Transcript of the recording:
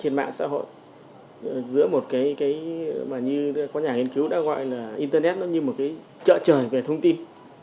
nó gọi là internet nó như một cái chợ trời về thông tin